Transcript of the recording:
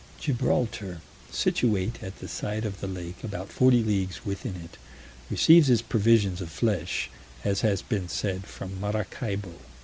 Gibraltar, situate at the side of the lake about forty leagues within it, receives its provisions of flesh, as has been said, from Maracaibo.